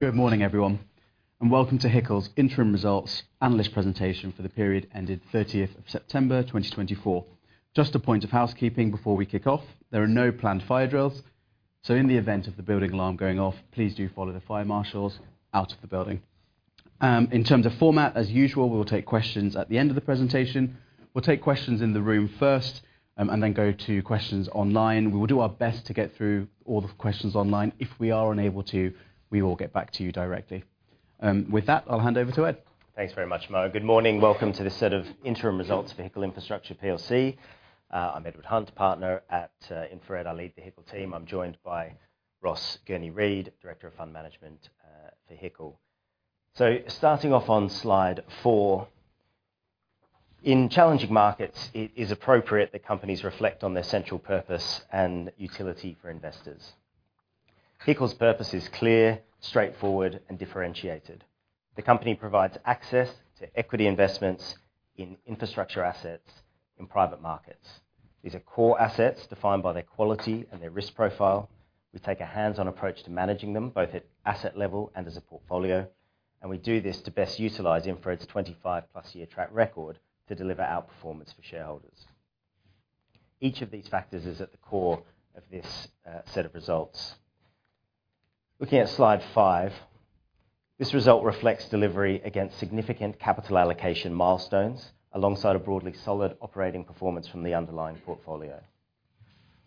Good morning, everyone, and welcome to HICL's interim results analyst presentation for the period ended 30th of September, 2024. Just a point of housekeeping before we kick off: there are no planned fire drills, so in the event of the building alarm going off, please do follow the fire marshals out of the building. In terms of format, as usual, we will take questions at the end of the presentation. We'll take questions in the room first, and then go to questions online. We will do our best to get through all the questions online. If we are unable to, we will get back to you directly. With that, I'll hand over to Ed. Thanks very much, Mo. Good morning. Welcome to the sort of interim results for HICL Infrastructure PLC. I'm Edward Hunt, partner at InfraRed. I lead the HICL team. I'm joined by Ross Gurney-Read, Director of Fund Management, for HICL. So starting off on slide four, in challenging markets, it is appropriate that companies reflect on their central purpose and utility for investors. HICL's purpose is clear, straightforward, and differentiated. The company provides access to equity investments in infrastructure assets in private markets. These are core assets defined by their quality and their risk profile. We take a hands-on approach to managing them, both at asset level and as a portfolio, and we do this to best utilize InfraRed's 25-plus year track record to deliver outperformance for shareholders. Each of these factors is at the core of this set of results. Looking at slide five, this result reflects delivery against significant capital allocation milestones alongside a broadly solid operating performance from the underlying portfolio.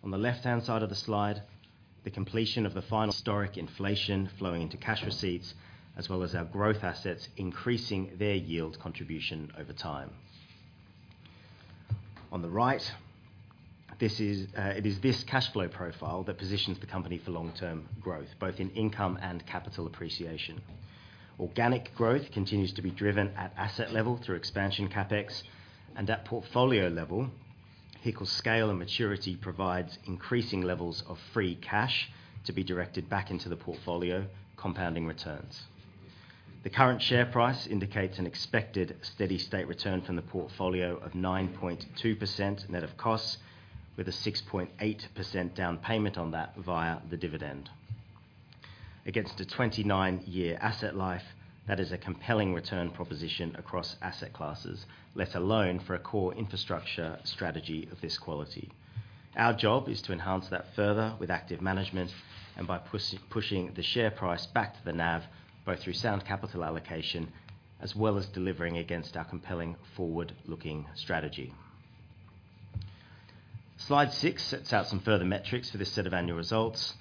On the left-hand side of the slide, the completion of the final historic inflation flowing into cash receipts, as well as our growth assets increasing their yield contribution over time. On the right, it is this cash flow profile that positions the company for long-term growth, both in income and capital appreciation. Organic growth continues to be driven at asset level through expansion CapEx, and at portfolio level, HICL's scale and maturity provides increasing levels of free cash to be directed back into the portfolio, compounding returns. The current share price indicates an expected steady-state return from the portfolio of 9.2% net of costs, with a 6.8% down payment on that via the dividend. Against a 29-year asset life, that is a compelling return proposition across asset classes, let alone for a core infrastructure strategy of this quality. Our job is to enhance that further with active management and by pushing, pushing the share price back to the NAV, both through sound capital allocation as well as delivering against our compelling forward-looking strategy. Slide six sets out some further metrics for this set of annual results.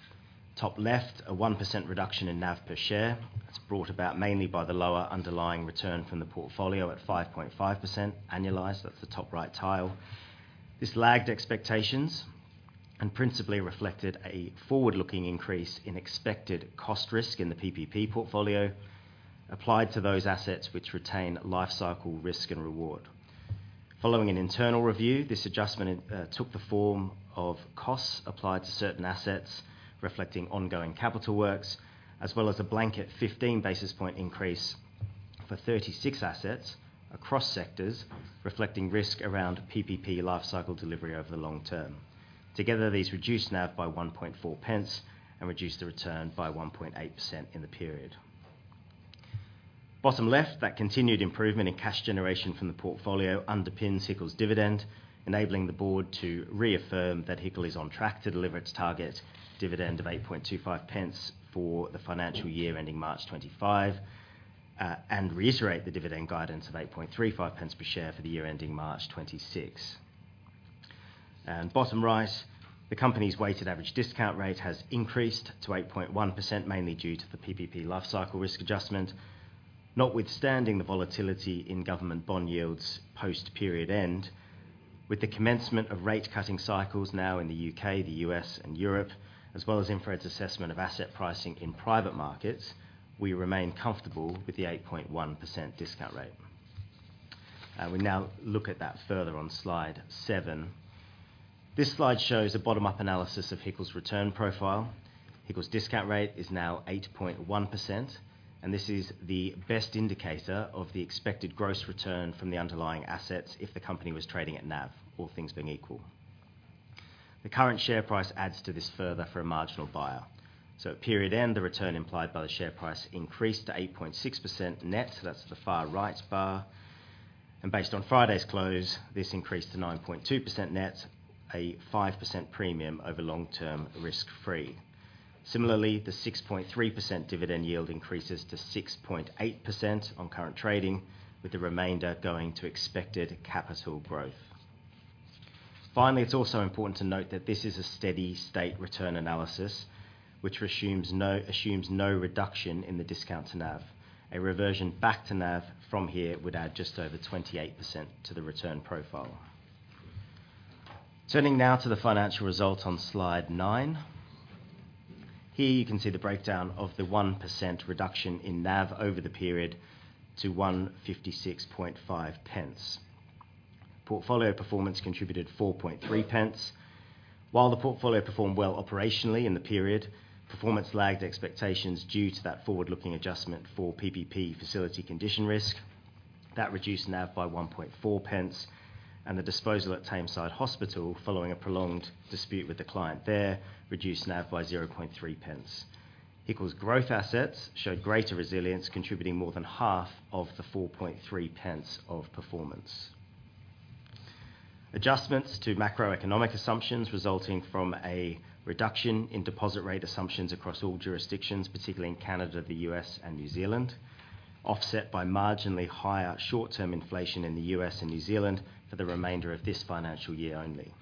Top left, a 1% reduction in NAV per share. It's brought about mainly by the lower underlying return from the portfolio at 5.5% annualized. That's the top right tile. This lagged expectations and principally reflected a forward-looking increase in expected cost risk in the PPP portfolio applied to those assets which retain lifecycle risk and reward. Following an internal review, this adjustment took the form of costs applied to certain assets, reflecting ongoing capital works, as well as a blanket 15 basis point increase for 36 assets across sectors, removed NAV by 1.4 pence and reduced the return by 1.8% in the period. Bottom left, that continued improvement in cash generation from the portfolio underpins HICL's dividend, enabling the board to reaffirm that HICL is on track to deliver its target dividend of 8.25 pence for the financial year ending March 2025, and reiterate the dividend guidance of 8.35 pence per share for the year ending March 2026. Bottom right, the company's weighted average discount rate has increased to 8.1%, mainly due to the PPP lifecycle risk adjustment, notwithstanding the volatility in government bond yields post-period end. With the commencement of rate-cutting cycles now in the U.K., the U.S., and Europe, as well as InfraRed's assessment of asset pricing in private markets, we remain comfortable with the 8.1% discount rate. And we now look at that further on slide seven. This slide shows a bottom-up analysis of HICL's return profile. HICL's discount rate is now 8.1%, and this is the best indicator of the expected gross return from the underlying assets if the company was trading at NAV, all things being equal. The current share price adds to this further for a marginal buyer. So at period end, the return implied by the share price increased to 8.6% net. That's the far right bar. And based on Friday's close, this increased to 9.2% net, a 5% premium over long-term risk-free. Similarly, the 6.3% dividend yield increases to 6.8% on current trading, with the remainder going to expected capital growth. Finally, it's also important to note that this is a steady-state return analysis, which assumes no reduction in the discount to NAV. A reversion back to NAV from here would add just over 28% to the return profile. Turning now to the financial result on slide nine, here you can see the breakdown of the 1% reduction in NAV over the period to £1.565. Portfolio performance contributed £0.043. While the portfolio performed well operationally in the period, performance lagged expectations due to that forward-looking adjustment for PPP facility condition risk. That reduced NAV by £0.014, and the disposal at Tameside Hospital, following a prolonged dispute with the client there, reduced NAV by £0.003. HICL's growth assets showed greater resilience, contributing more than half of the 4.3 pence of performance. Adjustments to macroeconomic assumptions resulting from a reduction in deposit rate assumptions across all jurisdictions, particularly in Canada, the US, and New Zealand, offset by marginally higher short-term inflation in the US and New Zealand for the remainder of this financial year only.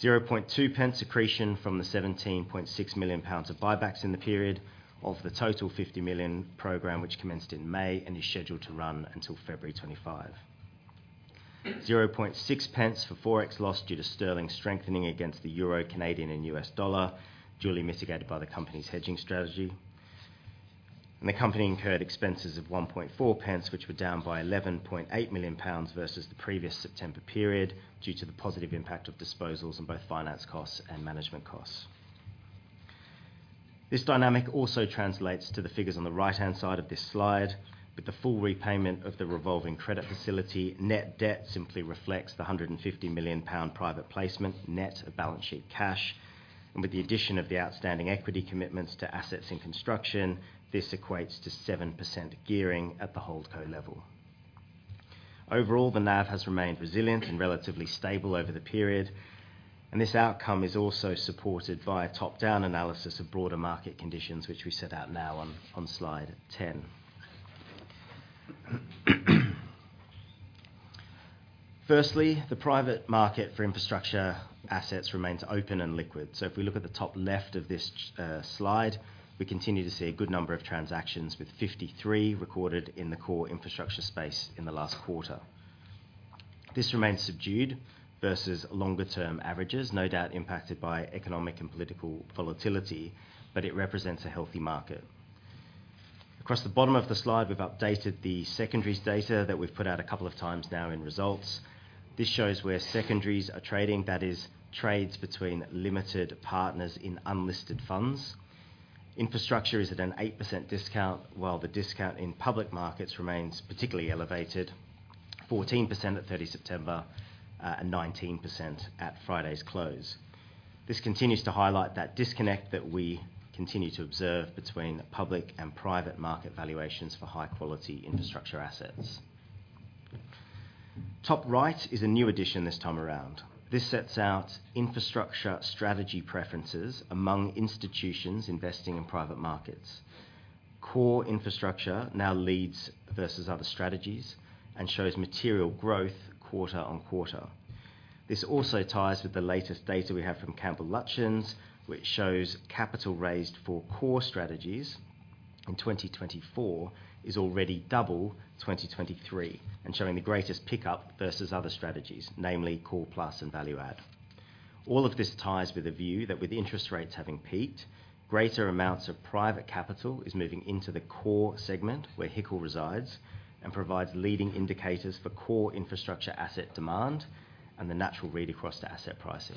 0.2 pence accretion from the £17.6 million of buybacks in the period of the total £50 million program, which commenced in May and is scheduled to run until February 2025. 0.6 pence for forex loss due to sterling strengthening against the euro, Canadian, and US dollar, duly mitigated by the company's hedging strategy. The company incurred expenses of 1.4 pence, which were down by £11.8 million versus the previous September period due to the positive impact of disposals on both finance costs and management costs. This dynamic also translates to the figures on the right-hand side of this slide. With the full repayment of the revolving credit facility, net debt simply reflects the 150 million pound private placement, net of balance sheet cash, and with the addition of the outstanding equity commitments to assets in construction, this equates to 7% gearing at the holdco level. Overall, the NAV has remained resilient and relatively stable over the period, and this outcome is also supported by a top-down analysis of broader market conditions, which we set out now on slide ten. Firstly, the private market for infrastructure assets remains open and liquid, so if we look at the top left of this slide, we continue to see a good number of transactions with 53 recorded in the core infrastructure space in the last quarter. This remains subdued versus longer-term averages, no doubt impacted by economic and political volatility, but it represents a healthy market. Across the bottom of the slide, we've updated the secondaries data that we've put out a couple of times now in results. This shows where secondaries are trading, that is, trades between limited partners in unlisted funds. Infrastructure is at an 8% discount, while the discount in public markets remains particularly elevated, 14% at 30 September, and 19% at Friday's close. This continues to highlight that disconnect that we continue to observe between public and private market valuations for high-quality infrastructure assets. Top right is a new addition this time around. This sets out infrastructure strategy preferences among institutions investing in private markets. Core infrastructure now leads versus other strategies and shows material growth quarter on quarter. This also ties with the latest data we have from Campbell Lutyens, which shows capital raised for core strategies in 2024 is already double 2023 and showing the greatest pickup versus other strategies, namely core plus and value add. All of this ties with a view that with interest rates having peaked, greater amounts of private capital is moving into the core segment where HICL resides and provides leading indicators for core infrastructure asset demand and the natural read across to asset pricing.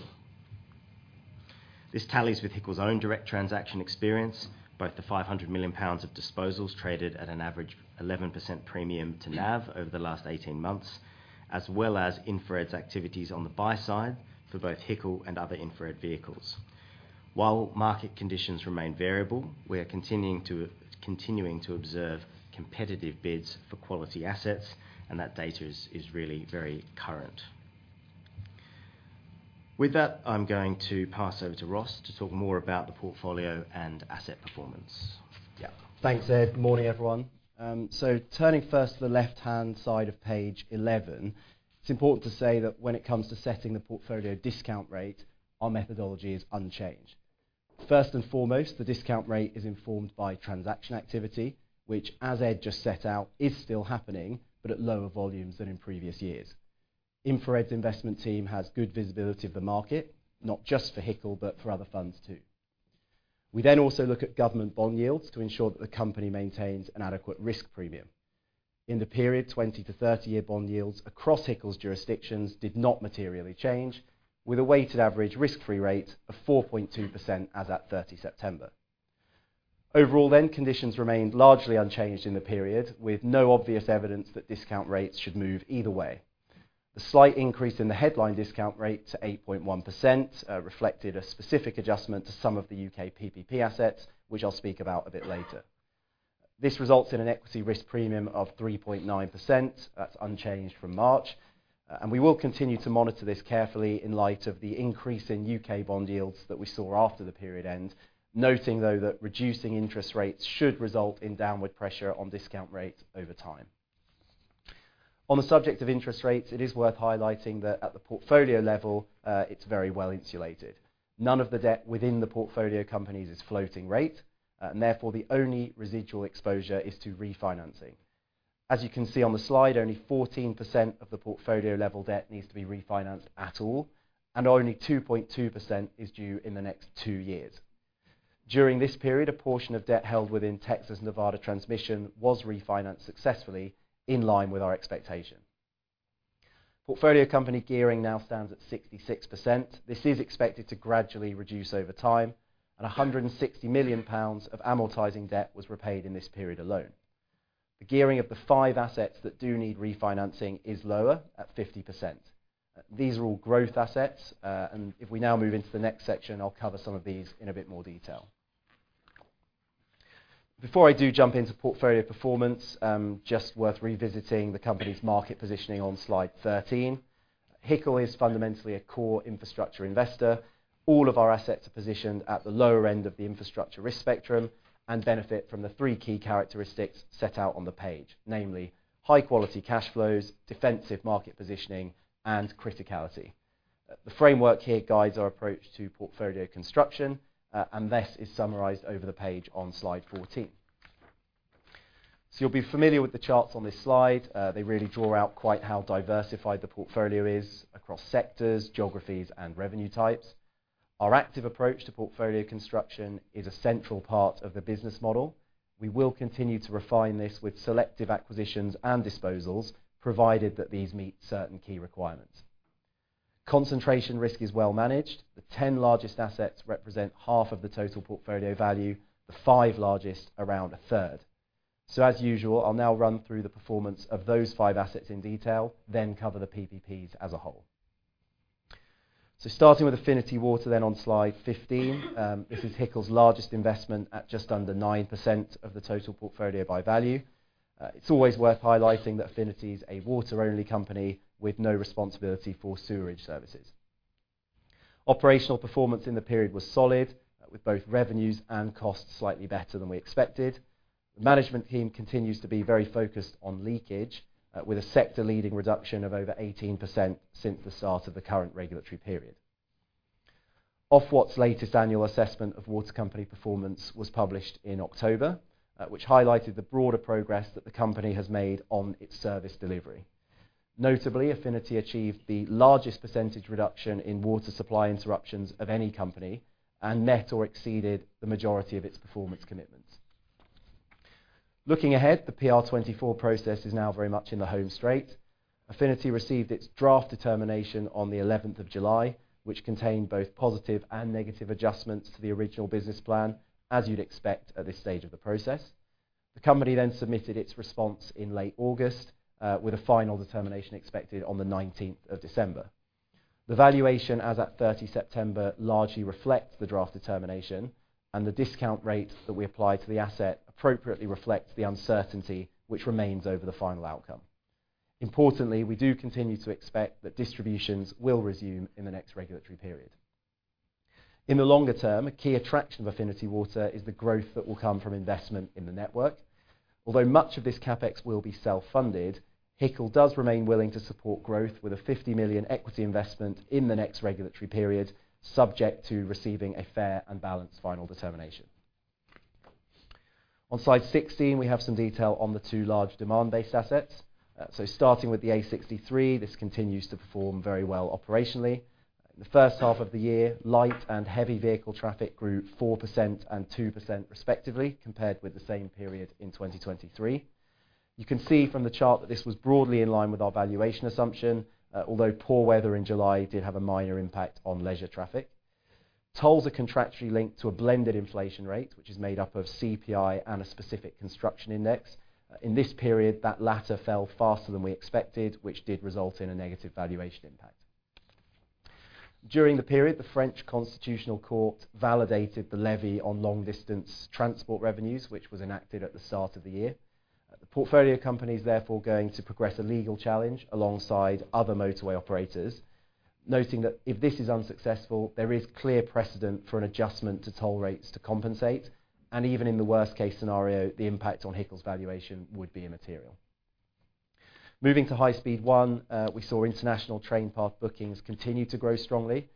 This tallies with HICL's own direct transaction experience, both the 500 million pounds of disposals traded at an average 11% premium to NAV over the last 18 months, as well as InfraRed's activities on the buy side for both HICL and other InfraRed vehicles. While market conditions remain variable, we are continuing to observe competitive bids for quality assets, and that data is really very current. With that, I'm going to pass over to Ross to talk more about the portfolio and asset performance. Yeah. Thanks, Ed. Good morning, everyone. So turning first to the left-hand side of page 11, it's important to say that when it comes to setting the portfolio discount rate, our methodology is unchanged. First and foremost, the discount rate is informed by transaction activity, which, as Ed just set out, is still happening but at lower volumes than in previous years. InfraRed's investment team has good visibility of the market, not just for HICL but for other funds too. We then also look at government bond yields to ensure that the company maintains an adequate risk premium. In the period, 20- to 30-year bond yields across HICL's jurisdictions did not materially change, with a weighted average risk-free rate of 4.2% as at 30 September. Overall then, conditions remained largely unchanged in the period, with no obvious evidence that discount rates should move either way. The slight increase in the headline discount rate to 8.1%, reflected a specific adjustment to some of the U.K. PPP assets, which I'll speak about a bit later. This results in an equity risk premium of 3.9%. That's unchanged from March, and we will continue to monitor this carefully in light of the increase in U.K. bond yields that we saw after the period end, noting though that reducing interest rates should result in downward pressure on discount rates over time. On the subject of interest rates, it is worth highlighting that at the portfolio level, it's very well insulated. None of the debt within the portfolio companies is floating rate, and therefore the only residual exposure is to refinancing. As you can see on the slide, only 14% of the portfolio level debt needs to be refinanced at all, and only 2.2% is due in the next two years. During this period, a portion of debt held within Texas Nevada Transmission was refinanced successfully in line with our expectation. Portfolio company gearing now stands at 66%. This is expected to gradually reduce over time, and £160 million of amortizing debt was repaid in this period alone. The gearing of the five assets that do need refinancing is lower at 50%. These are all growth assets, and if we now move into the next section, I'll cover some of these in a bit more detail. Before I do jump into portfolio performance, just worth revisiting the company's market positioning on slide 13. HICL is fundamentally a core infrastructure investor. All of our assets are positioned at the lower end of the infrastructure risk spectrum and benefit from the three key characteristics set out on the page, namely high-quality cash flows, defensive market positioning, and criticality. The framework here guides our approach to portfolio construction, and this is summarized over the page on slide 14. So you'll be familiar with the charts on this slide. They really draw out quite how diversified the portfolio is across sectors, geographies, and revenue types. Our active approach to portfolio construction is a central part of the business model. We will continue to refine this with selective acquisitions and disposals, provided that these meet certain key requirements. Concentration risk is well managed. The 10 largest assets represent half of the total portfolio value. The five largest, around a third. So, as usual, I'll now run through the performance of those five assets in detail, then cover the PPPs as a whole. So, starting with Affinity Water then on slide 15, this is HICL's largest investment at just under 9% of the total portfolio by value. It's always worth highlighting that Affinity is a water-only company with no responsibility for sewerage services. Operational performance in the period was solid, with both revenues and costs slightly better than we expected. The management team continues to be very focused on leakage, with a sector-leading reduction of over 18% since the start of the current regulatory period. Ofwat's latest annual assessment of water company performance was published in October, which highlighted the broader progress that the company has made on its service delivery. Notably, Affinity achieved the largest percentage reduction in water supply interruptions of any company and met or exceeded the majority of its performance commitments. Looking ahead, the PR24 process is now very much in the home straight. Affinity received its draft determination on the 11th of July, which contained both positive and negative adjustments to the original business plan, as you'd expect at this stage of the process. The company then submitted its response in late August, with a final determination expected on the 19th of December. The valuation as at 30 September largely reflects the draft determination, and the discount rate that we apply to the asset appropriately reflects the uncertainty which remains over the final outcome. Importantly, we do continue to expect that distributions will resume in the next regulatory period. In the longer term, a key attraction of Affinity Water is the growth that will come from investment in the network. Although much of this CapEx will be self-funded, HICL does remain willing to support growth with a £50 million equity investment in the next regulatory period, subject to receiving a fair and balanced final determination. On slide 16, we have some detail on the two large demand-based assets. So, starting with the A63, this continues to perform very well operationally. In the first half of the year, light and heavy vehicle traffic grew 4% and 2% respectively, compared with the same period in 2023. You can see from the chart that this was broadly in line with our valuation assumption, although poor weather in July did have a minor impact on leisure traffic. Tolls are contractually linked to a blended inflation rate, which is made up of CPI and a specific construction index. In this period, that latter fell faster than we expected, which did result in a negative valuation impact. During the period, the French Constitutional Court validated the levy on long-distance transport revenues, which was enacted at the start of the year. The portfolio company is therefore going to progress a legal challenge alongside other motorway operators, noting that if this is unsuccessful, there is clear precedent for an adjustment to toll rates to compensate, and even in the worst-case scenario, the impact on HICL's valuation would be immaterial. Moving to High Speed 1, we saw international train path bookings continue to grow strongly,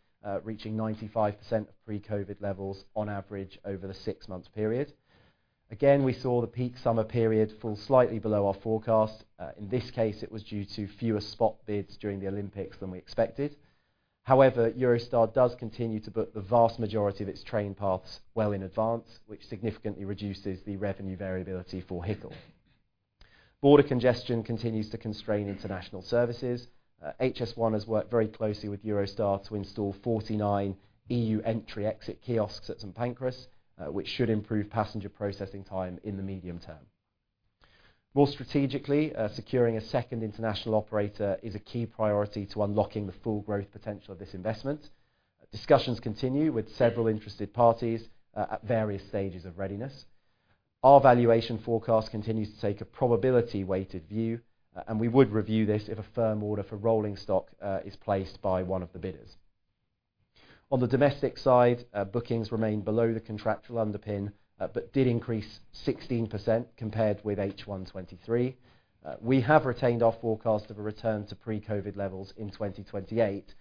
reaching 95% of pre-COVID levels on average over the six-month period. Again, we saw the peak summer period fall slightly below our forecast. In this case, it was due to fewer spot bids during the Olympics than we expected. However, Eurostar does continue to book the vast majority of its train paths well in advance, which significantly reduces the revenue variability for HICL. Border congestion continues to constrain international services. HS1 has worked very closely with Eurostar to install 49 EU entry/exit kiosks at St Pancras, which should improve passenger processing time in the medium term. More strategically, securing a second international operator is a key priority to unlocking the full growth potential of this investment. Discussions continue with several interested parties, at various stages of readiness. Our valuation forecast continues to take a probability-weighted view, and we would review this if a firm order for rolling stock is placed by one of the bidders. On the domestic side, bookings remain below the contractual underpin, but did increase 16% compared with H123. We have retained our forecast of a return to pre-COVID levels in 2028,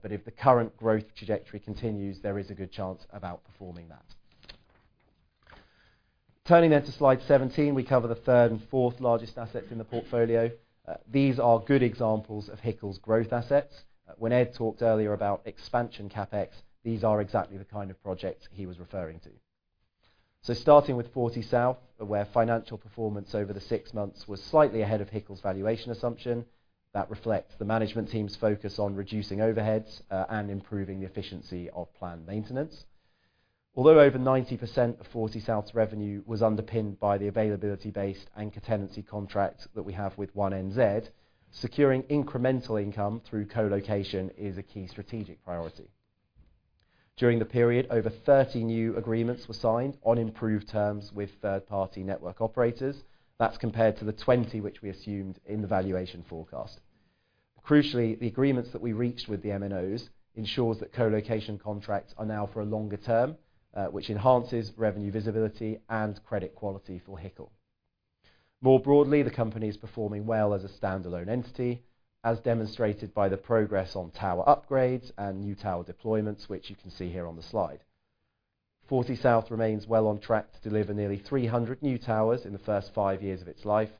but if the current growth trajectory continues, there is a good chance of outperforming that. Turning then to slide 17, we cover the third and fourth largest assets in the portfolio. These are good examples of HICL's growth assets. When Ed talked earlier about expansion CapEx, these are exactly the kind of projects he was referring to. So, starting with Fortysouth, where financial performance over the six months was slightly ahead of HICL's valuation assumption, that reflects the management team's focus on reducing overheads, and improving the efficiency of planned maintenance. Although over 90% of Fortysouth's revenue was underpinned by the availability-based anchor tenancy contract that we have with 1NZ, securing incremental income through colocation is a key strategic priority. During the period, over 30 new agreements were signed on improved terms with third-party network operators. That's compared to the 20 which we assumed in the valuation forecast. Crucially, the agreements that we reached with the MNOs ensure that colocation contracts are now for a longer term, which enhances revenue visibility and credit quality for HICL. More broadly, the company is performing well as a standalone entity, as demonstrated by the progress on tower upgrades and new tower deployments, which you can see here on the slide. Fortysouth remains well on track to deliver nearly 300 new towers in the first five years of its life,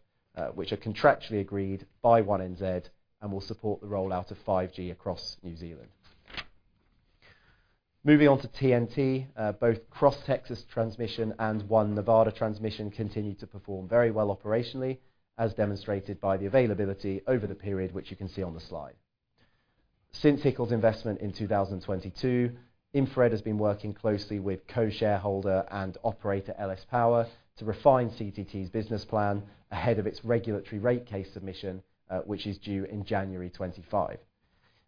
which are contractually agreed by One NZ and will support the rollout of 5G across New Zealand. Moving on to TNT, both Cross Texas Transmission and One Nevada Transmission continue to perform very well operationally, as demonstrated by the availability over the period, which you can see on the slide. Since HICL's investment in 2022, InfraRed has been working closely with co-shareholder and operator LS Power to refine CTT's business plan ahead of its regulatory rate case submission, which is due in January 2025.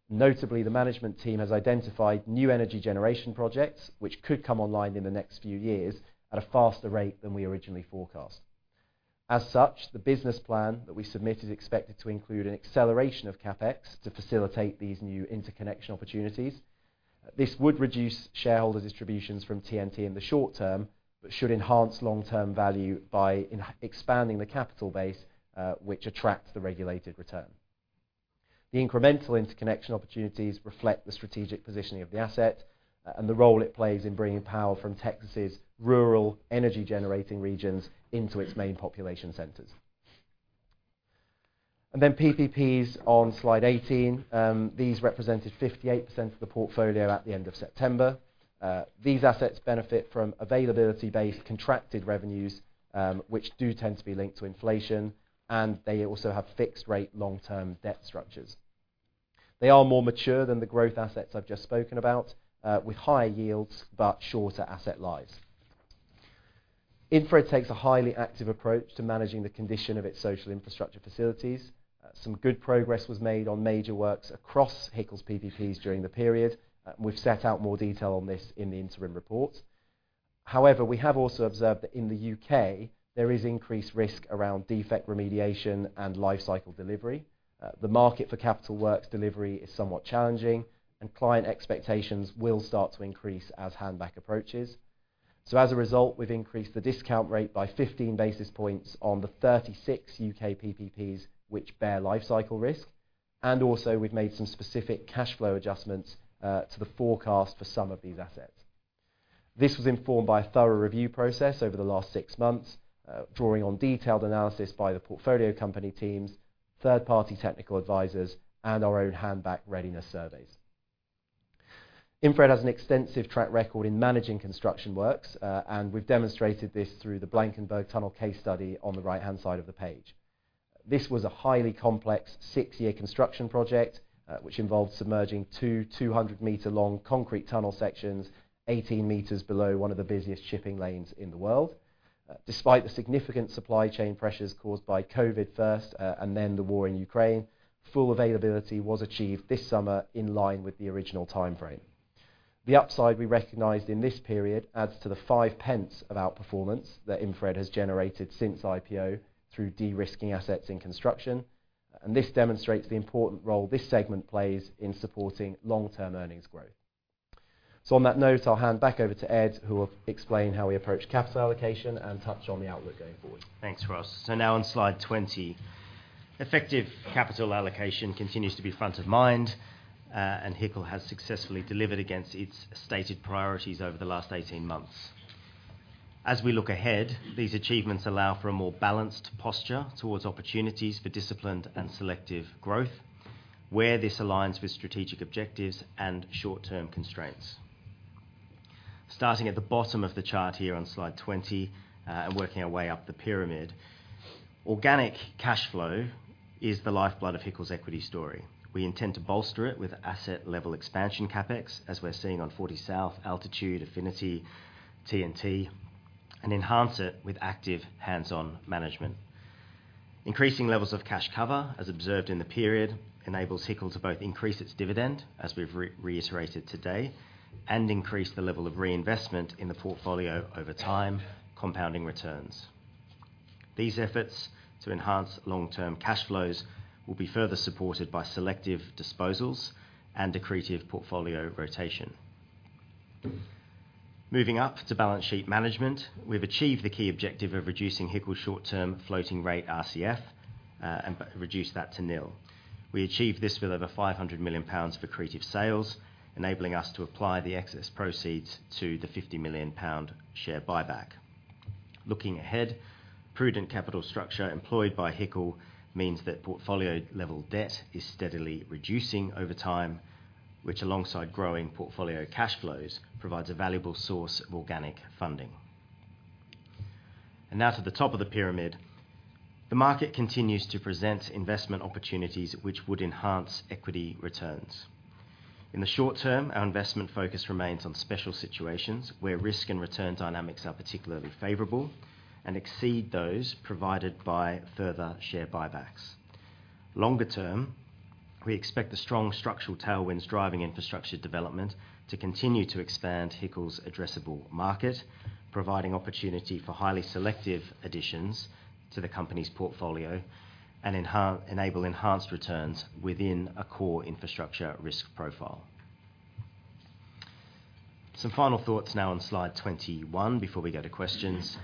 Notably, the management team has identified new energy generation projects which could come online in the next few years at a faster rate than we originally forecast. As such, the business plan that we submitted is expected to include an acceleration of CapEx to facilitate these new interconnection opportunities. This would reduce shareholder distributions from TNT in the short term but should enhance long-term value by expanding the capital base, which attracts the regulated return. The incremental interconnection opportunities reflect the strategic positioning of the asset, and the role it plays in bringing power from Texas's rural energy-generating regions into its main population centers, and then PPPs on slide 18. These represented 58% of the portfolio at the end of September. These assets benefit from availability-based contracted revenues, which do tend to be linked to inflation, and they also have fixed-rate long-term debt structures. They are more mature than the growth assets I've just spoken about, with higher yields but shorter asset lives. InfraRed takes a highly active approach to managing the condition of its social infrastructure facilities. Some good progress was made on major works across HICL's PPPs during the period, and we've set out more detail on this in the interim report. However, we have also observed that in the U.K., there is increased risk around defect remediation and life-cycle delivery. The market for capital works delivery is somewhat challenging, and client expectations will start to increase as handback approaches. So, as a result, we've increased the discount rate by 15 basis points on the 36 U.K. PPPs which bear life-cycle risk, and also we've made some specific cash flow adjustments to the forecast for some of these assets. This was informed by a thorough review process over the last six months, drawing on detailed analysis by the portfolio company teams, third-party technical advisors, and our own handback readiness surveys. InfraRed has an extensive track record in managing construction works, and we've demonstrated this through the Blankenburg Tunnel case study on the right-hand side of the page. This was a highly complex six-year construction project, which involved submerging two 200-meter-long concrete tunnel sections 18 meters below one of the busiest shipping lanes in the world. Despite the significant supply chain pressures caused by COVID first, and then the war in Ukraine, full availability was achieved this summer in line with the original timeframe. The upside we recognized in this period adds to the 0.05 of outperformance that InfraRed has generated since IPO through de-risking assets in construction, and this demonstrates the important role this segment plays in supporting long-term earnings growth. So, on that note, I'll hand back over to Ed, who will explain how we approach capital allocation and touch on the outlook going forward. Thanks, Ross. So, now on slide 20, effective capital allocation continues to be front of mind, and HICL has successfully delivered against its stated priorities over the last 18 months. As we look ahead, these achievements allow for a more balanced posture towards opportunities for disciplined and selective growth, where this aligns with strategic objectives and short-term constraints. Starting at the bottom of the chart here on slide 20, and working our way up the pyramid, organic cash flow is the lifeblood of HICL's equity story. We intend to bolster it with asset-level expansion CapEx, as we're seeing on Fortysouth, Altitude, Affinity, TNT, and enhance it with active hands-on management. Increasing levels of cash cover, as observed in the period, enables HICL to both increase its dividend, as we've reiterated today, and increase the level of reinvestment in the portfolio over time, compounding returns. These efforts to enhance long-term cash flows will be further supported by selective disposals and accretive portfolio rotation. Moving up to balance sheet management, we've achieved the key objective of reducing HICL's short-term floating rate RCF, and reduced that to nil. We achieved this with over 500 million pounds for accretive sales, enabling us to apply the excess proceeds to the 50 million pound share buyback. Looking ahead, prudent capital structure employed by HICL means that portfolio-level debt is steadily reducing over time, which, alongside growing portfolio cash flows, provides a valuable source of organic funding. And now to the top of the pyramid, the market continues to present investment opportunities which would enhance equity returns. In the short term, our investment focus remains on special situations where risk and return dynamics are particularly favorable and exceed those provided by further share buybacks. Longer term, we expect the strong structural tailwinds driving infrastructure development to continue to expand HICL's addressable market, providing opportunity for highly selective additions to the company's portfolio and enable enhanced returns within a core infrastructure risk profile. Some final thoughts now on slide 21 before we go to questions.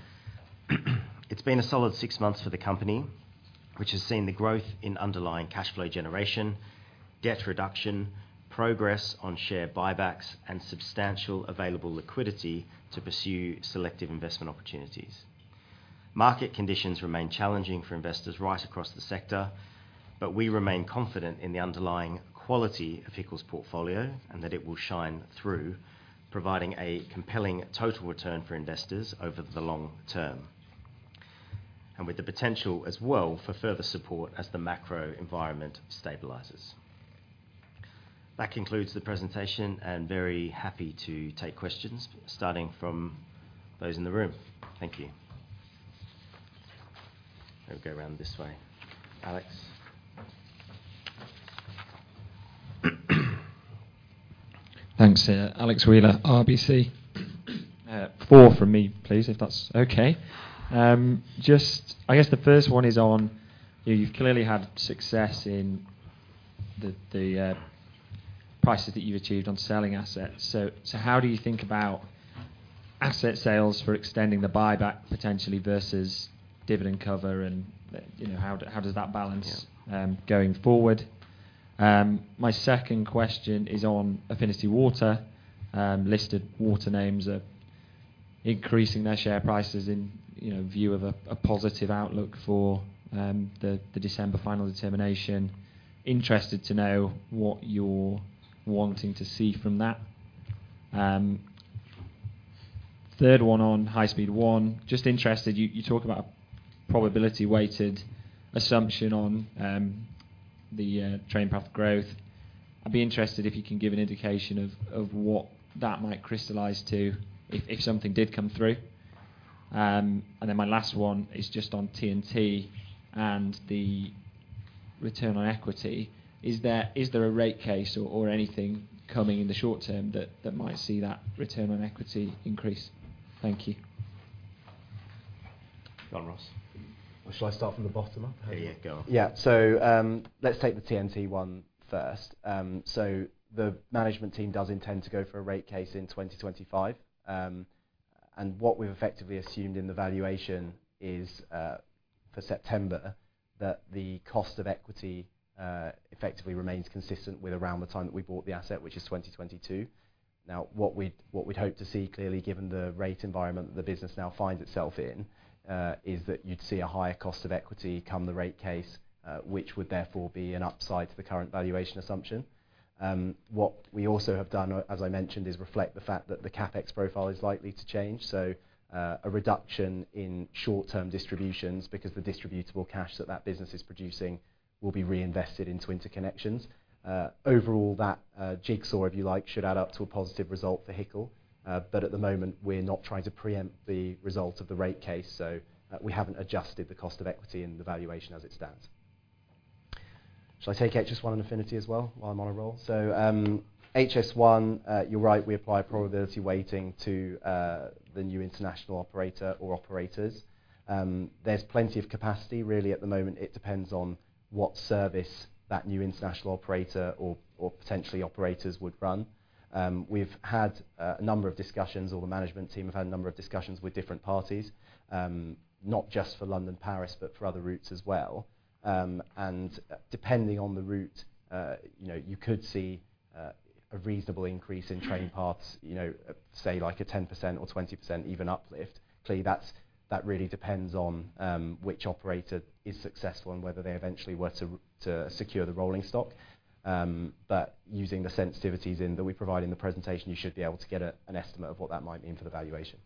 It's been a solid six months for the company, which has seen the growth in underlying cash flow generation, debt reduction, progress on share buybacks, and substantial available liquidity to pursue selective investment opportunities. Market conditions remain challenging for investors right across the sector, but we remain confident in the underlying quality of HICL's portfolio and that it will shine through, providing a compelling total return for investors over the long term, and with the potential as well for further support as the macro environment stabilizes. That concludes the presentation, and very happy to take questions starting from those in the room. Thank you. We'll go around this way. Alex. Thanks, Alex Wheeler, RBC. Four from me, please, if that's okay. Just, I guess the first one is on, you know, you've clearly had success in the prices that you've achieved on selling assets. So how do you think about asset sales for extending the buyback potentially versus dividend cover and, you know, how does that balance going forward? My second question is on Affinity Water. Listed water names are increasing their share prices in view of a positive outlook for the December final determination. Interested to know what you're wanting to see from that. Third one on High Speed One. Just interested, you talk about a probability-weighted assumption on the train path growth. I'd be interested if you can give an indication of what that might crystallize to if something did come through. And then my last one is just on TNT and the return on equity. Is there a rate case or anything coming in the short term that might see that return on equity increase? Thank you. John Ross. Well, shall I start from the bottom up? Yeah, go on. Yeah. So, let's take the TNT one first. So the management team does intend to go for a rate case in 2025. And what we've effectively assumed in the valuation is, for September, that the cost of equity effectively remains consistent with around the time that we bought the asset, which is 2022. Now, what we'd hope to see clearly, given the rate environment that the business now finds itself in, is that you'd see a higher cost of equity come the rate case, which would therefore be an upside to the current valuation assumption. What we also have done, as I mentioned, is reflect the fact that the CapEx profile is likely to change. So, a reduction in short-term distributions because the distributable cash that that business is producing will be reinvested into interconnections. Overall, that jigsaw, if you like, should add up to a positive result for HICL. But at the moment, we're not trying to preempt the result of the rate case, so we haven't adjusted the cost of equity in the valuation as it stands. Shall I take HS1 and Affinity as well while I'm on a roll? So, HS1, you're right, we apply probability weighting to the new international operator or operators. There's plenty of capacity, really, at the moment. It depends on what service that new international operator or potentially operators would run. We've had a number of discussions. All the management team have had a number of discussions with different parties, not just for London, Paris, but for other routes as well, and depending on the route, you know, you could see a reasonable increase in train paths, you know, say like a 10% or 20% even uplift. Clearly, that really depends on which operator is successful and whether they eventually were to secure the rolling stock, but using the sensitivities in that we provide in the presentation, you should be able to get an estimate of what that might mean for the valuation.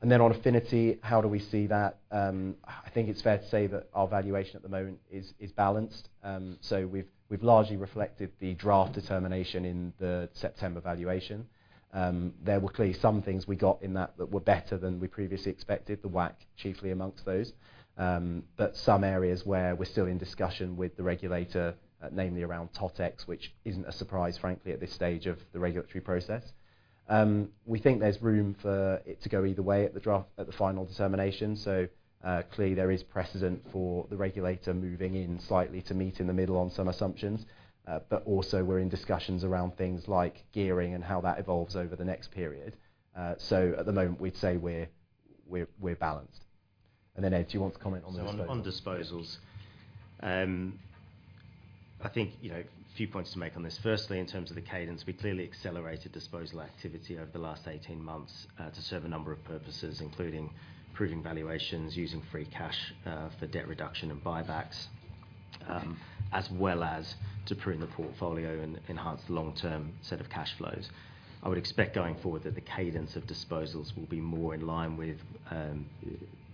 And then on Affinity, how do we see that? I think it's fair to say that our valuation at the moment is balanced, so we've largely reflected the draft determination in the September valuation. There were clearly some things we got in that that were better than we previously expected, the WACC chiefly amongst those, but some areas where we're still in discussion with the regulator, namely around TOTEX, which isn't a surprise, frankly, at this stage of the regulatory process. We think there's room for it to go either way at the draft, at the final determination. Clearly, there is precedent for the regulator moving in slightly to meet in the middle on some assumptions, but also we're in discussions around things like gearing and how that evolves over the next period. So at the moment, we'd say we're balanced. And then, Ed, do you want to comment on this one? So, on disposals, I think, you know, a few points to make on this. Firstly, in terms of the cadence, we clearly accelerated disposal activity over the last 18 months, to serve a number of purposes, including proving valuations, using free cash, for debt reduction and buybacks, as well as to prune the portfolio and enhance the long-term set of cash flows. I would expect going forward that the cadence of disposals will be more in line with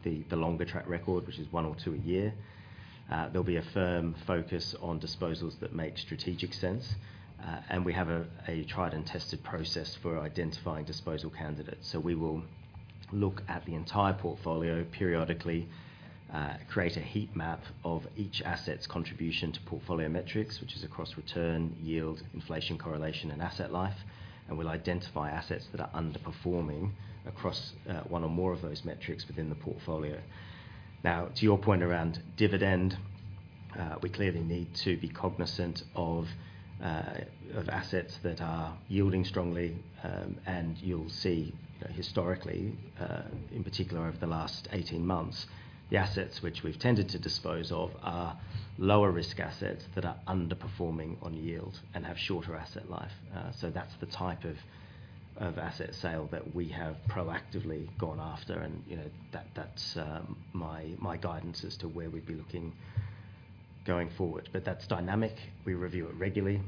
the longer track record, which is one or two a year. There'll be a firm focus on disposals that make strategic sense, and we have a tried and tested process for identifying disposal candidates, so we will look at the entire portfolio periodically, create a heat map of each asset's contribution to portfolio metrics, which is across return, yield, inflation correlation, and asset life, and we'll identify assets that are underperforming across one or more of those metrics within the portfolio. Now, to your point around dividend, we clearly need to be cognizant of assets that are yielding strongly, and you'll see, you know, historically, in particular over the last 18 months, the assets which we've tended to dispose of are lower-risk assets that are underperforming on yield and have shorter asset life. So that's the type of asset sale that we have proactively gone after, and, you know, that's my guidance as to where we'd be looking going forward. But that's dynamic. We review it regularly,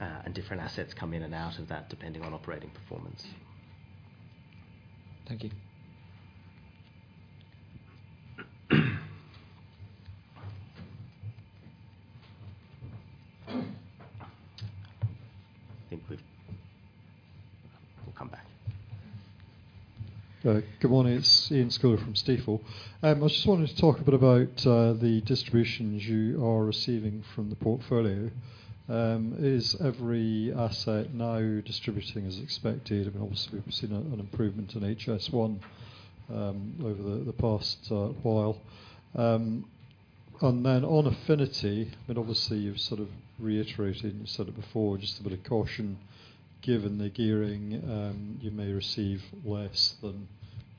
and different assets come in and out of that depending on operating performance. Thank you. I think we'll come back. Good morning. It's Iain Scouller from Stifel. I just wanted to talk a bit about the distributions you are receiving from the portfolio. Is every asset now distributing as expected? I mean, obviously, we've seen an improvement in HS1 over the past while, and then on Affinity, I mean, obviously, you've sort of reiterated, you said it before, just a bit of caution, given the gearing, you may receive less than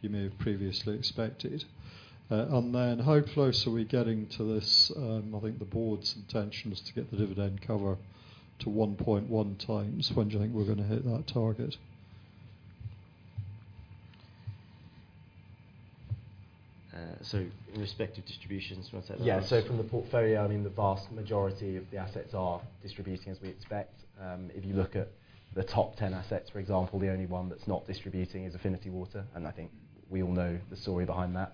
you may have previously expected, and then overall, so we're getting to this, I think the board's intention is to get the dividend cover to 1.1x. When do you think we're going to hit that target? So in respect of distributions, do you want to say that? Yeah. So from the portfolio, I mean, the vast majority of the assets are distributing as we expect. If you look at the top 10 assets, for example, the only one that's not distributing is Affinity Water, and I think we all know the story behind that.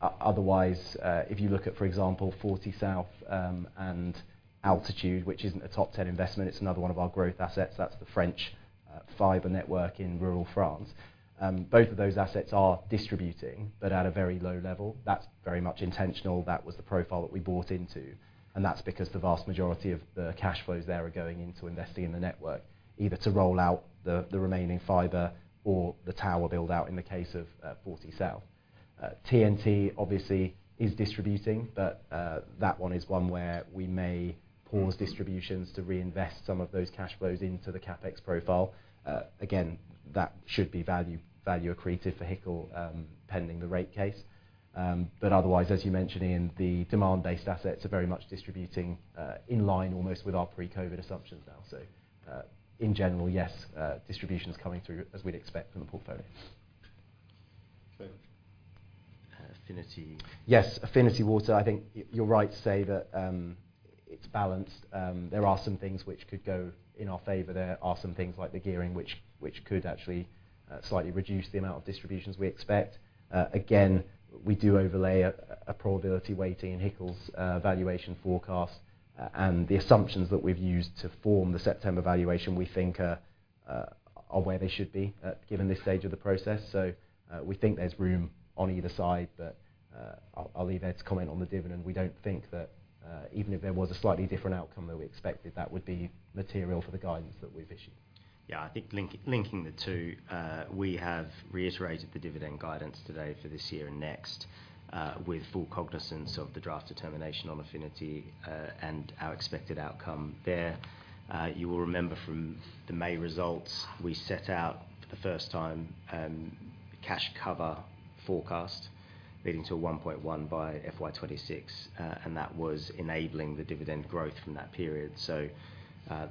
Otherwise, if you look at, for example, 40 South, and Altitude, which isn't a top 10 investment, it's another one of our growth assets. That's the French fiber network in rural France. Both of those assets are distributing but at a very low level. That's very much intentional. That was the profile that we bought into, and that's because the vast majority of the cash flows there are going into investing in the network, either to roll out the remaining fiber or the tower buildout in the case of 40 South. TNT obviously is distributing, but that one is one where we may pause distributions to reinvest some of those cash flows into the CapEx profile. Again, that should be value accretive for HICL, pending the rate case. but otherwise, as you mentioned, Ian, the demand-based assets are very much distributing, in line almost with our pre-COVID assumptions now. So, in general, yes, distributions coming through as we'd expect from the portfolio. Okay. Affinity. Yes, Affinity Water. I think you're right to say that, it's balanced. There are some things which could go in our favor. There are some things like the gearing which could actually, slightly reduce the amount of distributions we expect. Again, we do overlay a probability weighting in HICL's valuation forecast, and the assumptions that we've used to form the September valuation we think are where they should be, given this stage of the process. So, we think there's room on either side, but, I'll leave Ed's comment on the dividend. We don't think that, even if there was a slightly different outcome than we expected, that would be material for the guidance that we've issued. Yeah. I think linking the two, we have reiterated the dividend guidance today for this year and next, with full cognizance of the draft determination on Affinity, and our expected outcome there. You will remember from the May results, we set out for the first time, cash cover forecast leading to a 1.1 by FY2026, and that was enabling the dividend growth from that period. So,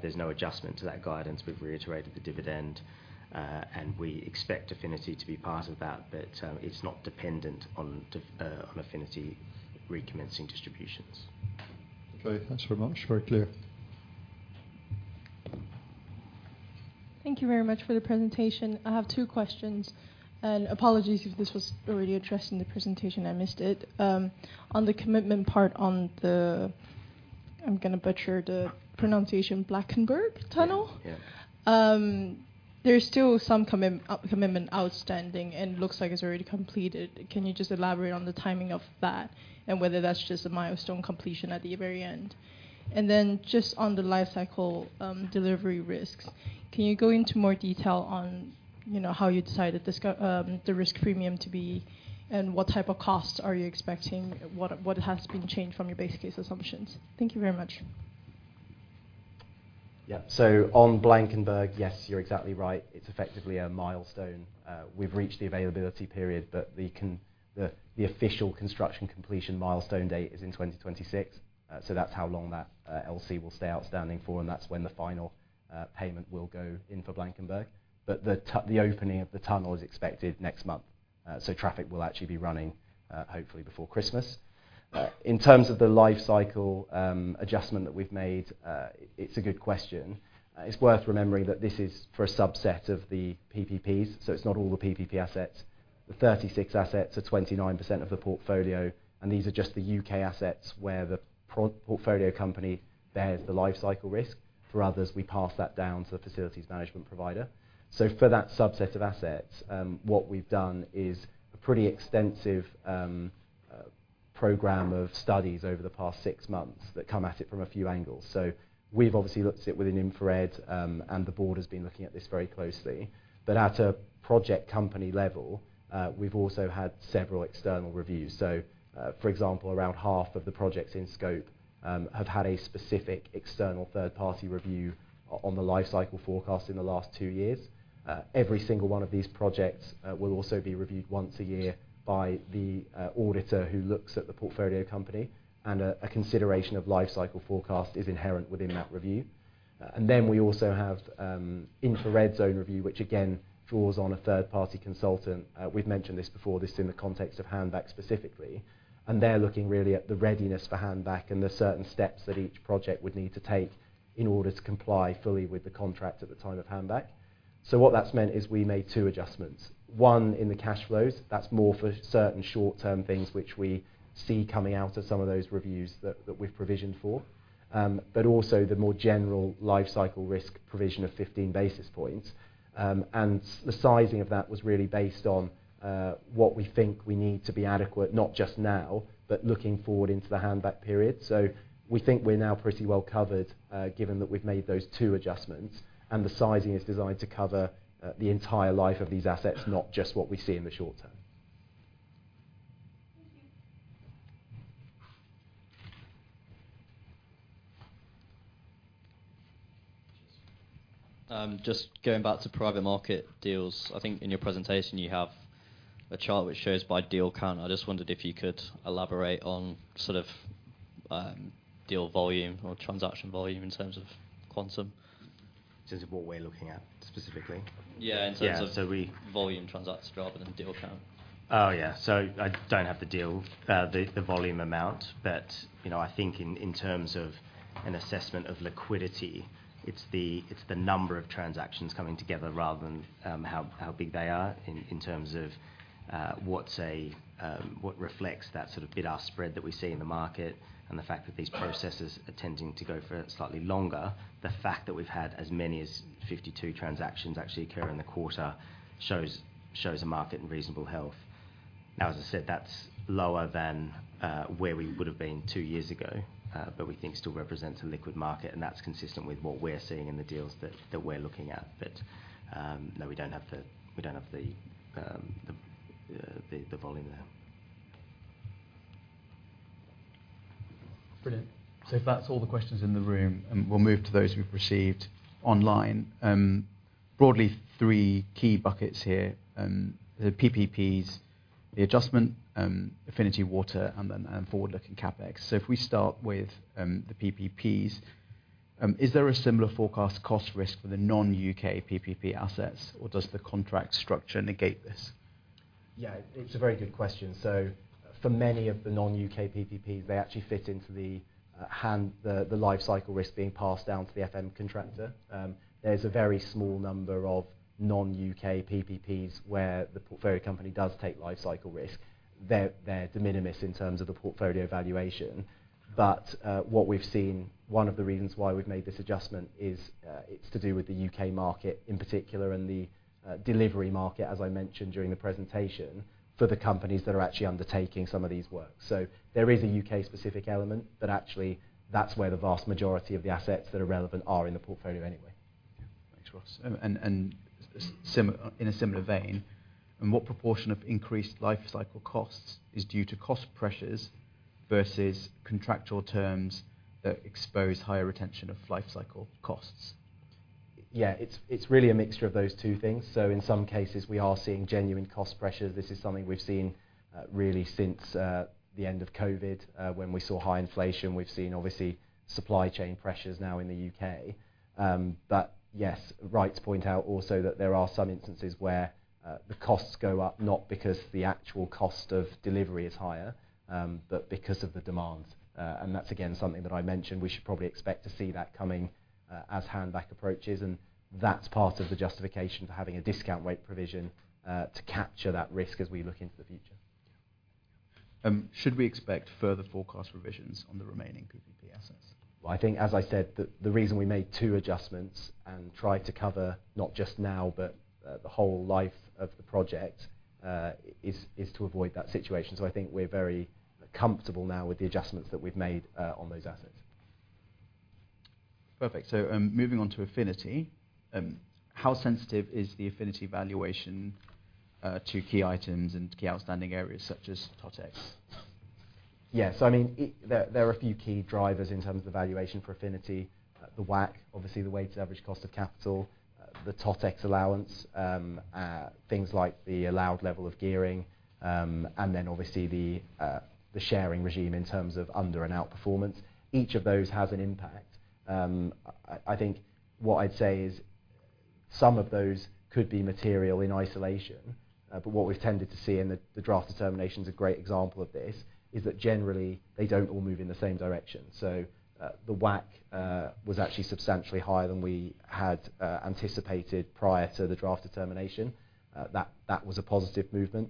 there's no adjustment to that guidance. We've reiterated the dividend, and we expect Affinity to be part of that, but, it's not dependent on Affinity recommencing distributions. Okay. Thanks very much. Very clear. Thank you very much for the presentation. I have two questions, and apologies if this was already addressed in the presentation. I missed it. On the commitment part on the, I'm going to butcher the pronunciation, Blankenburg Tunnel. Yeah. There's still some commitment outstanding, and it looks like it's already completed. Can you just elaborate on the timing of that and whether that's just a milestone completion at the very end? And then just on the lifecycle delivery risks, can you go into more detail on, you know, how you decided this, the risk premium to be and what type of costs are you expecting, what has been changed from your base case assumptions? Thank you very much. Yeah. So on Blankenburg, yes, you're exactly right. It's effectively a milestone. We've reached the availability period, but the, the official construction completion milestone date is in 2026. So that's how long that LC will stay outstanding for, and that's when the final payment will go in for Blankenburg. But the opening of the tunnel is expected next month, so traffic will actually be running, hopefully before Christmas. In terms of the lifecycle adjustment that we've made, it's a good question. It's worth remembering that this is for a subset of the PPPs, so it's not all the PPP assets. The 36 assets are 29% of the portfolio, and these are just the U.K. assets where the project company bears the lifecycle risk. For others, we pass that down to the facilities management provider. So for that subset of assets, what we've done is a pretty extensive program of studies over the past six months that come at it from a few angles. So we've obviously looked at it with InfraRed, and the board has been looking at this very closely. But at a project company level, we've also had several external reviews. So, for example, around half of the projects in scope have had a specific external third-party review on the lifecycle forecast in the last two years. Every single one of these projects will also be reviewed once a year by the auditor who looks at the portfolio company, and a consideration of lifecycle forecast is inherent within that review. And then we also have InfraRed's own review, which again draws on a third-party consultant. We've mentioned this before, this in the context of handback specifically, and they're looking really at the readiness for handback and the certain steps that each project would need to take in order to comply fully with the contract at the time of handback. So what that's meant is we made two adjustments. One in the cash flows. That's more for certain short-term things which we see coming out of some of those reviews that we've provisioned for, but also the more general lifecycle risk provision of 15 basis points. And the sizing of that was really based on what we think we need to be adequate, not just now, but looking forward into the handback period. So we think we're now pretty well covered, given that we've made those two adjustments, and the sizing is designed to cover the entire life of these assets, not just what we see in the short term. Thank you. Just going back to private market deals, I think in your presentation you have a chart which shows by deal count. I just wondered if you could elaborate on sort of deal volume or transaction volume in terms of quantum. In terms of what we're looking at specifically? Yeah. In terms of volume transactions rather than deal count. Oh, yeah. So I don't have the deal, the volume amount, but you know, I think in terms of an assessment of liquidity, it's the number of transactions coming together rather than how big they are in terms of what reflects that sort of bid-ask spread that we see in the market and the fact that these processes are tending to go for slightly longer. The fact that we've had as many as 52 transactions actually occur in the quarter shows a market in reasonable health. Now, as I said, that's lower than where we would have been two years ago, but we think still represents a liquid market, and that's consistent with what we're seeing in the deals that we're looking at. But, no, we don't have the volume there. Brilliant. So if that's all the questions in the room, we'll move to those we've received online. Broadly three key buckets here, the PPPs, the adjustment, Affinity Water, and forward-looking CapEx. So if we start with the PPPs, is there a similar forecast cost risk for the non-U.K. PPP assets, or does the contract structure negate this? Yeah. It's a very good question. So for many of the non-U.K. PPPs, they actually fit into the lifecycle risk being passed down to the FM contractor. There's a very small number of non-U.K. PPPs where the portfolio company does take lifecycle risk. They're de minimis in terms of the portfolio valuation. But what we've seen, one of the reasons why we've made this adjustment is, it's to do with the U.K. market in particular and the delivery market, as I mentioned during the presentation, for the companies that are actually undertaking some of these works. So there is a U.K.-specific element, but actually that's where the vast majority of the assets that are relevant are in the portfolio anyway. Thanks, Ross. And, and similarly in a similar vein, what proportion of increased lifecycle costs is due to cost pressures versus contractual terms that expose higher retention of lifecycle costs? Yeah. It's, it's really a mixture of those two things. So in some cases, we are seeing genuine cost pressures. This is something we've seen, really since the end of COVID, when we saw high inflation. We've seen, obviously, supply chain pressures now in the U.K. But yes, right, it points out also that there are some instances where the costs go up not because the actual cost of delivery is higher, but because of the demand. And that's again something that I mentioned. We should probably expect to see that coming as handback approaches, and that's part of the justification for having a discount rate provision to capture that risk as we look into the future. Should we expect further forecast revisions on the remaining PPP assets? Well, I think, as I said, the reason we made two adjustments and tried to cover not just now, but the whole life of the project, is to avoid that situation. So I think we're very comfortable now with the adjustments that we've made on those assets. Perfect. Moving on to Affinity, how sensitive is the Affinity valuation to key items and key outstanding areas such as TOTEX? Yeah. I mean, there are a few key drivers in terms of the valuation for Affinity, the WACC, obviously the weighted average cost of capital, the TOTEX allowance, things like the allowed level of gearing, and then obviously the sharing regime in terms of under and out performance. Each of those has an impact. I think what I'd say is some of those could be material in isolation, but what we've tended to see in the draft determination is a great example of this, that generally they don't all move in the same direction. The WACC was actually substantially higher than we had anticipated prior to the draft determination. That was a positive movement,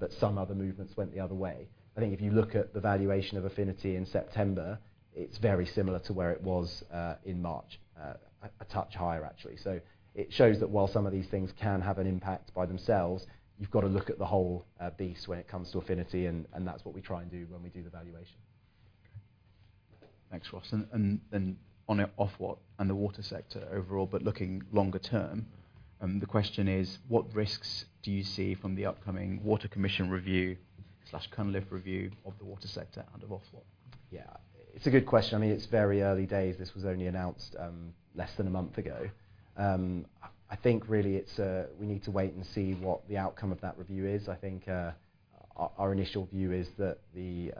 but some other movements went the other way. I think if you look at the valuation of Affinity in September, it's very similar to where it was in March, a touch higher actually. So it shows that while some of these things can have an impact by themselves, you've got to look at the whole beast when it comes to Affinity, and that's what we try and do when we do the valuation. Okay. Thanks, Ross. And on Ofwat and the water sector overall, but looking longer term, the question is, what risks do you see from the upcoming Independent Water Commission review/Cunliffe review of the water sector and of Ofwat? Yeah. It's a good question. I mean, it's very early days. This was only announced less than a month ago. I think really it's we need to wait and see what the outcome of that review is. I think our initial view is that the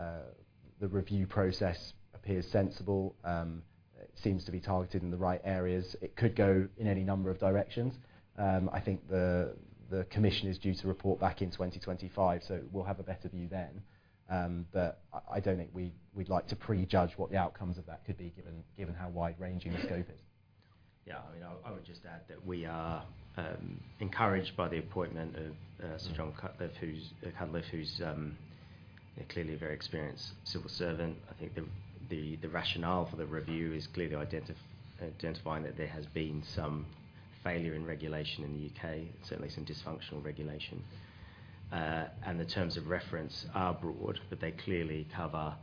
review process appears sensible. It seems to be targeted in the right areas. It could go in any number of directions. I think the commission is due to report back in 2025, so we'll have a better view then. But I don't think we'd like to prejudge what the outcomes of that could be given how wide-ranging the scope is. Yeah. I mean, I would just add that we are encouraged by the appointment of Sir Jon Cunliffe, who's clearly a very experienced civil servant. I think the rationale for the review is clearly identifying that there has been some failure in regulation in the U.K., certainly some dysfunctional regulation. And the terms of reference are broad, but they clearly cover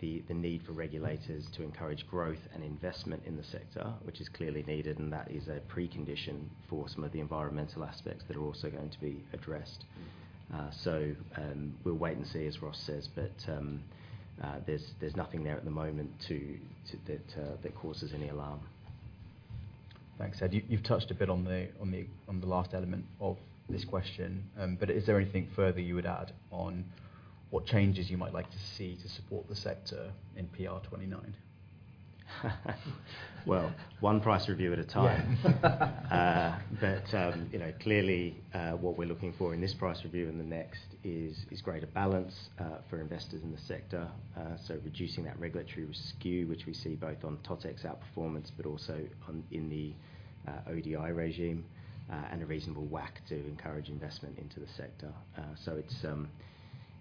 the need for regulators to encourage growth and investment in the sector, which is clearly needed, and that is a precondition for some of the environmental aspects that are also going to be addressed. So, we'll wait and see as Ross says, but there's nothing there at the moment that causes any alarm. Thanks. You've touched a bit on the last element of this question, but is there anything further you would add on what changes you might like to see to support the sector in PR29? Well, one price review at a time. But you know, clearly, what we're looking for in this price review and the next is greater balance for investors in the sector. So reducing that regulatory skew, which we see both on TOTEX outperformance, but also in the ODI regime, and a reasonable WACC to encourage investment into the sector. So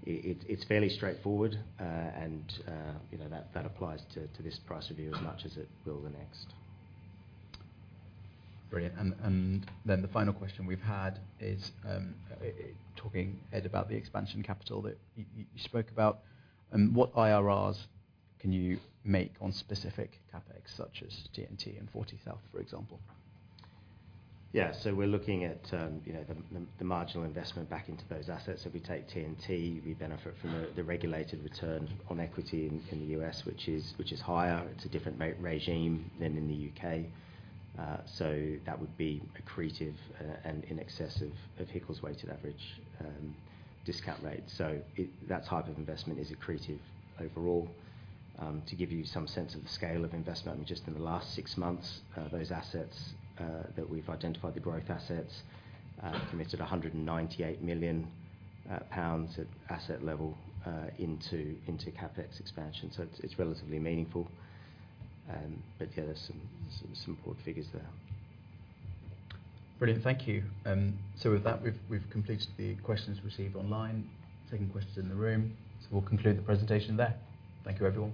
it's fairly straightforward, and, you know, that applies to this price review as much as it will the next. Brilliant. And then the final question we've had is, talking, Ed, about the expansion capital that you spoke about. What IRRs can you make on specific CapEx such as TNT and Fortysouth, for example? Yeah. So we're looking at, you know, the marginal investment back into those assets. If we take TNT, we benefit from the regulated return on equity in the U.S., which is higher. It's a different rate regime than in the U.K. So that would be accretive, and in excess of HICL's weighted average discount rate. So it, that type of investment is accretive overall. To give you some sense of the scale of investment, I mean, just in the last six months, those assets, that we've identified, the growth assets, committed 198 million pounds at asset level into CapEx expansion. So it's relatively meaningful. But yeah, there's some important figures there. Brilliant. Thank you. So with that, we've completed the questions received online. Taking questions in the room. So we'll conclude the presentation there. Thank you everyone.